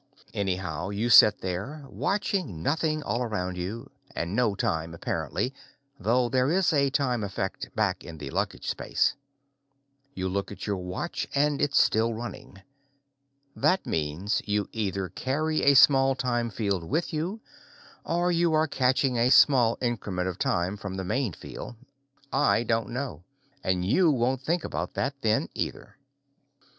Anyhow, you sit there, watching nothing all around you, and no time, apparently, though there is a time effect back in the luggage space. You look at your watch and it's still running. That means you either carry a small time field with you, or you are catching a small increment of time from the main field. I don't know, and you won't think about that then, either.